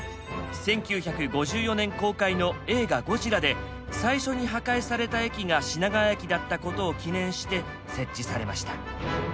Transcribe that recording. １９５４年公開の映画「ゴジラ」で最初に破壊された駅が品川駅だったことを記念して設置されました。